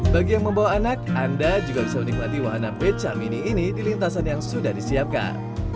bagi yang membawa anak anda juga bisa menikmati wahana beca mini ini di lintasan yang sudah disiapkan